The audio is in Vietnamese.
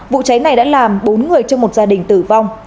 vụ cháy này đã làm bốn người trong một gia đình tử vong